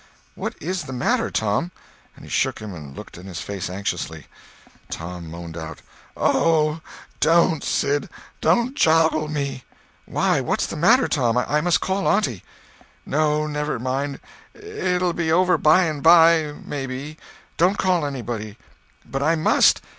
What is the matter, Tom?" And he shook him and looked in his face anxiously. Tom moaned out: "Oh, don't, Sid. Don't joggle me." "Why, what's the matter, Tom? I must call auntie." "No—never mind. It'll be over by and by, maybe. Don't call anybody." "But I must!